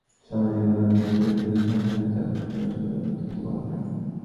সামাজিক যোগাযোগমাধ্যম ফেসবুকে সঞ্জয়ের সঙ্গে তাঁর পরিচয়, বন্ধুত্ব; অতঃপর প্রেম।